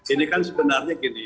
ini kan sebenarnya gini